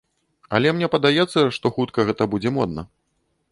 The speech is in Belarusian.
Але мне падаецца, што хутка гэта будзе модна.